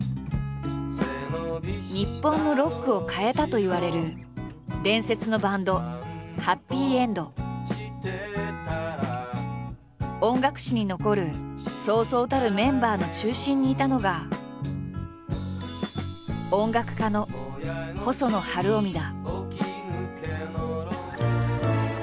日本のロックを変えたといわれる伝説のバンド音楽史に残るそうそうたるメンバーの中心にいたのが音楽家の細野晴臣だ。